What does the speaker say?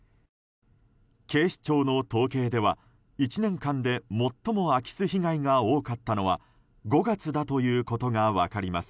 警視庁の統計では、１年間で最も空き巣被害が多かったのは５月だということが分かります。